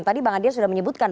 tadi bang adian sudah menyebutkan